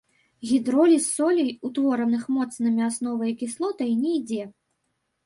Гідроліз солей, утвораных моцнымі асновай і кіслатой, не ідзе.